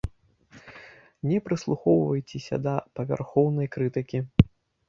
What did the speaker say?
Не прыслухоўвайцеся да павярхоўнай крытыкі.